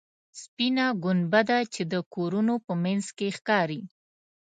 سپینه ګنبده چې د کورونو په منځ کې ښکاري.